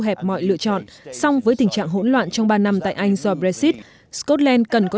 hẹp mọi lựa chọn song với tình trạng hỗn loạn trong ba năm tại anh do brexit scotland cần có